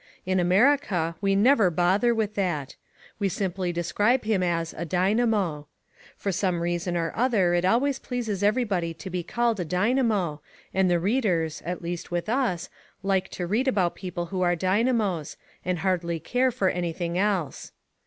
In America we never bother with that. We simply describe him as a "dynamo." For some reason or other it always pleases everybody to be called a "dynamo," and the readers, at least with us, like to read about people who are "dynamos," and hardly care for anything else.